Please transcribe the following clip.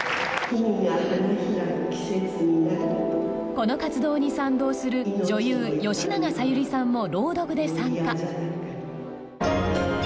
この活動に賛同する女優・吉永小百合さんも朗読で参加。